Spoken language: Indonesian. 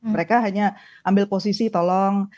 mereka hanya ambil posisi tolong